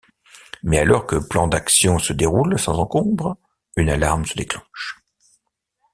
Mais alors que plan d'action se déroule sans encombre, une alarme se déclenche...